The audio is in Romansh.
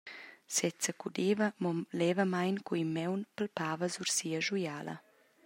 Sezzacudeva mo levamein, cu in maun palpava sur sia schuiala.